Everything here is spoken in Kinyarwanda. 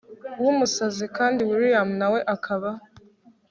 wumusazi kandi william nawe akaba